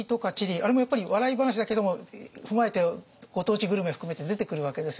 あれもやっぱり笑い話だけども踏まえてご当地グルメ含めて出てくるわけですよね。